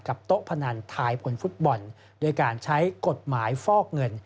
โต๊ะพนันทายผลฟุตบอลด้วยการใช้กฎหมายฟอกเงิน